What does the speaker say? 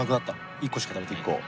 １個しか食べてない。